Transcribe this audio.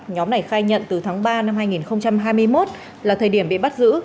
nhóm này khai nhận từ tháng ba năm hai nghìn hai mươi một là thời điểm bị bắt giữ